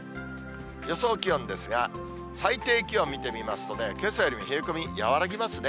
予想気温ですが、最低気温見てみますとね、けさよりも冷え込み、和らぎますね。